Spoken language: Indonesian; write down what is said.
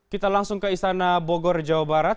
kita langsung ke istana bogor jawa barat